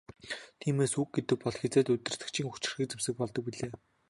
Тиймээс үг гэдэг бол хэзээд удирдагчийн хүчирхэг зэвсэг болдог билээ.